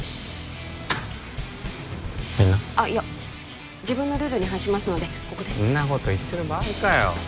入んなあっいや自分のルールに反しますのでここでんなこと言ってる場合かよ